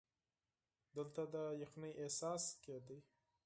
دلته د یخنۍ احساس کېده.